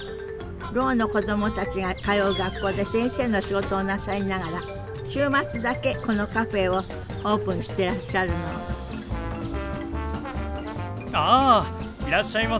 ろうの子供たちが通う学校で先生の仕事をなさりながら週末だけこのカフェをオープンしてらっしゃるのあいらっしゃいませ。